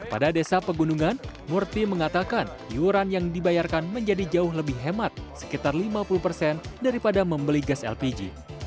pada desa pegunungan murti mengatakan iuran yang dibayarkan menjadi jauh lebih hemat sekitar lima puluh persen daripada membeli gas lpg